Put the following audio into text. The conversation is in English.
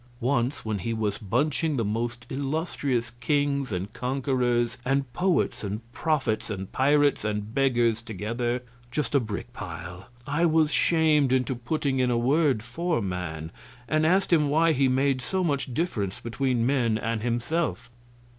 Once when he was bunching the most illustrious kings and conquerors and poets and prophets and pirates and beggars together just a brick pile I was shamed into putting in a word for man, and asked him why he made so much difference between men and himself.